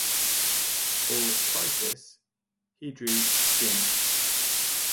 For "Crisis", he drew "Skin".